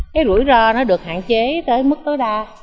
cái rủi ro nó được hạn chế tới mức tối đa